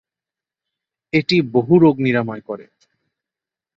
এটি বহু রোগ নিরাময় করে।